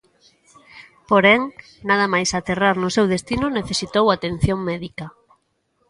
Porén, nada máis aterrar no seu destino necesitou atención médica.